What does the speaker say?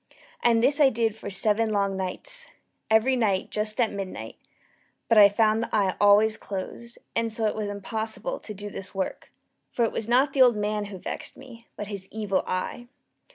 And this I did for seven long nights every night just at midnight but I found the eye always closed; and so it was impossible to do the work; for it was not the old man who vexed me, but his Evil Eye.